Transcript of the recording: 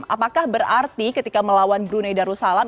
apakah berarti ketika melawan brunei darussalam